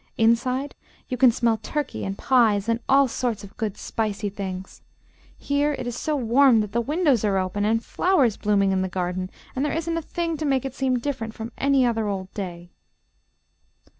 Inside you can smell turkey and pies and all sorts of good spicy things. Here it is so warm that the windows are open and flowers blooming in the garden, and there isn't a thing to make it seem different from any other old day."